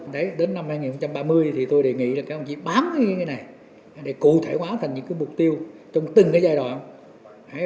đến năm hai nghìn ba mươi thì tôi đề nghị các ông chí bám cái này để cụ thể hoá thành những mục tiêu trong từng giai đoạn